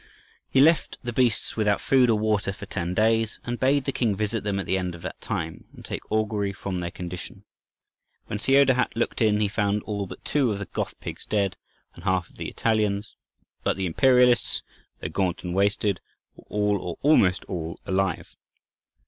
He left the beasts without food or water for ten days, and bade the king visit them at the end of that time, and take augury from their condition. When Theodahat looked in he found all but two of the "Goth" pigs dead, and half of the "Italians," but the "Imperialists," though gaunt and wasted, were all, or almost all, alive.